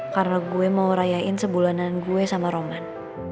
karena gue mau rayain sebulanan gue sama roman